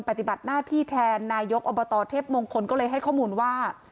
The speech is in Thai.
ปฏิบัติหน้าที่แทนนายกอบตเทพมงคลก็เลยให้ข้อมูลว่า